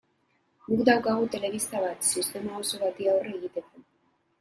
Guk daukagu telebista bat sistema oso bati aurre egiteko.